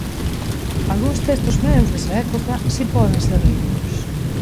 Algúns textos meus desa época si poden ser líricos.